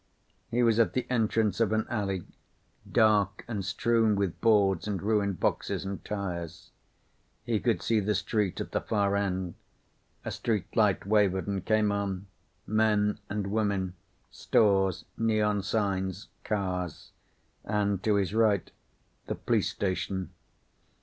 He was at the entrance of an alley, dark and strewn with boards and ruined boxes and tires. He could see the street at the far end. A street light wavered and came on. Men and women. Stores. Neon signs. Cars. And to his right the police station.